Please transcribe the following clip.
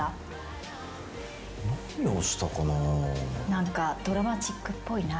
何かドラマチックっぽいな。